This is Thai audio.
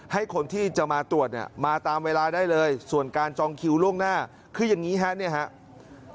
ให้คนที่จะมาตรวจมาตามเวลาได้เลยส่วนการจองคิวล่วงหน้าคืออย่างนี้ครับ